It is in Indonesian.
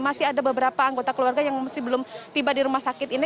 masih ada beberapa anggota keluarga yang masih belum tiba di rumah sakit ini